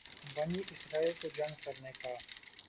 بنی اسرائیل کو جنگ کرنے کا